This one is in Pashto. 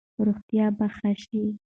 روغتیا به ښه شي.